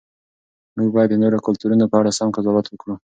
موږ باید د نورو کلتورونو په اړه سم قضاوت وکړو.